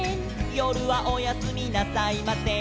「よるはおやすみなさいません」